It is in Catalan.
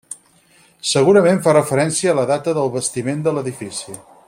Segurament fa referència a la data del bastiment de l'edifici.